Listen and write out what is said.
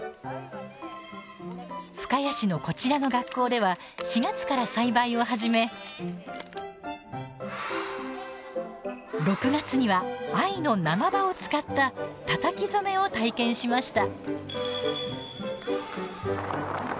深谷市のこちらの学校では４月から栽培を始め６月には、藍の生葉を使ったたたき染めを体験しました。